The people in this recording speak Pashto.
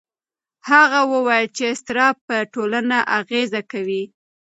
هغه وویل چې اضطراب په ټولنه اغېز کوي.